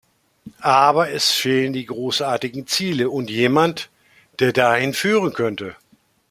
Aber es fehlen die großartigen Ziele und jemand, der dahin führen könnte.